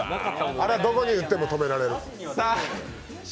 あれはどこにいっても止められる。